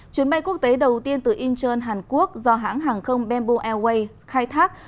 chuyến bay quốc tế đầu tiên từ incheon hàn quốc do hãng hàng không bamboo airways khai thác